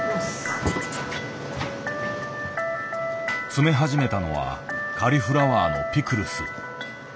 詰め始めたのはカリフラワーのピクルス。